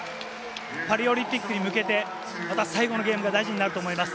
パリオリンピックに向けて最後のゲームが大事になると思います。